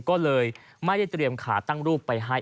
ก็เลยไม่ได้เตรียมขาตั้งรูปไปให้